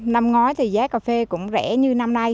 năm ngói thì giá cà phê cũng rẻ như năm nay